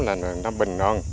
là nó bình an